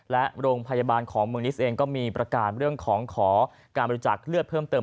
และโรงพยาบาลของเมืองนิสเองก็มีประกาศเรื่องของขอการบริจาคเลือดเพิ่มเติม